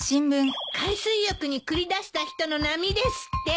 海水浴に繰り出した人の波ですって。